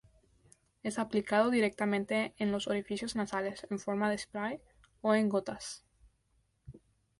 Es aplicado directamente en los orificios nasales, en forma de spray o en gotas.